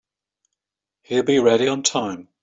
He'll be ready on time.